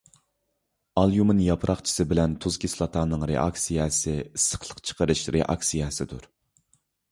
ئاليۇمىن ياپراقچىسى بىلەن تۇز كىسلاتانىڭ رېئاكسىيەسى ئىسسىقلىق چىقىرىش رېئاكسىيەسىدۇر.